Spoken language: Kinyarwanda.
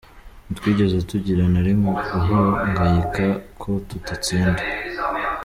Ntitwigeze tugira na rimwe guhangayika ko tutatsinda.